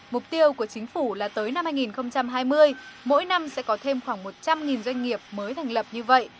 mục tiêu của chính phủ là tới năm hai nghìn hai mươi mỗi năm sẽ có thêm khoảng một trăm linh doanh nghiệp mới thành lập như vậy